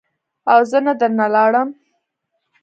او زه در نه لاړم.